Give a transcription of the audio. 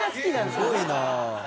すごいな。